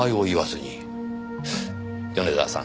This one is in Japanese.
米沢さん